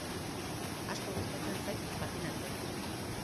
Asko gustatzen zait patinatzea.